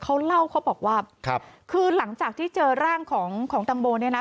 เขาเล่าเขาบอกว่าคือหลังจากที่เจอร่างของของตังโมเนี่ยนะ